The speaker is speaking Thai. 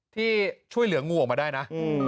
ที่ช่วยเหลืองูออกมาได้นะ